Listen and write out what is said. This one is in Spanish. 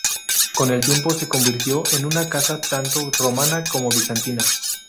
Con el tiempo, se convirtió en una Casa tanto romana como bizantina.